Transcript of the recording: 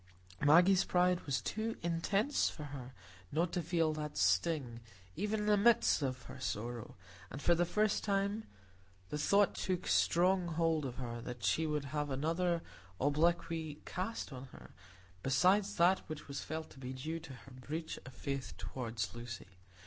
Maggie's pride was too intense for her not to feel that sting, even in the midst of her sorrow; and for the first time the thought took strong hold of her that she would have other obloquy cast on her besides that which was felt to be due to her breach of faith toward Lucy.